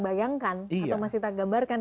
bayangkan atau masih tak gambarkan